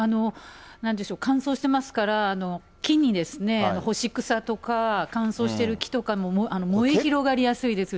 なんでしょう、乾燥してますから、木に干し草とか、乾燥してる木とかも燃え広がりやすいですし。